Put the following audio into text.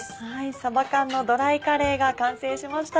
さば缶のドライカレーが完成しました。